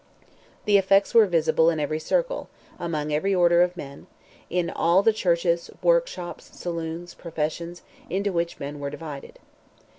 The effects were visible in every circle, among every order of men; in all the churches, workshops, saloons, professions, into which men were divided.